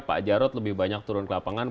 pak jarod lebih banyak turun ke lapangan